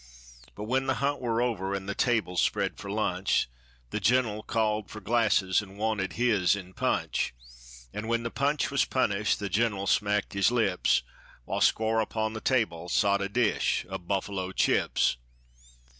But when the hunt war over, an' the table spread for lunch, The gener'l called for glasses, an' wanted his in punch; An' when the punch was punished, the gener'l smacked his lips, While squar' upon the table sot a dish o' buffalo chips.